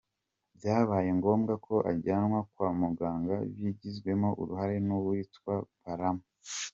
Byabaye ngombwa ko ajyanwa kwa muganga bigizwemo uruhare n’uwitwa Balaam.